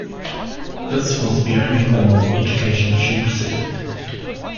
This was the only formal education she received.